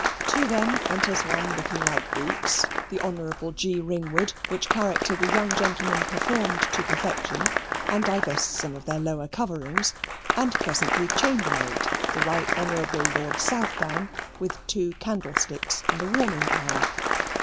To them enters one looking like Boots (the Honourable G. Ringwood), which character the young gentleman performed to perfection, and divests them of their lower coverings; and presently Chambermaid (the Right Honourable Lord Southdown) with two candlesticks, and a warming pan.